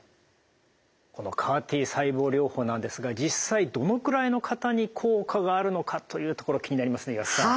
このＣＡＲ−Ｔ細胞療法なんですが実際どのくらいの方に効果があるのかというところ気になりますね岩田さん。